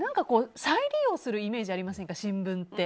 再利用するイメージありませんか、新聞って。